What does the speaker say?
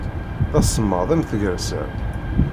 D asemmaḍ am tgersa.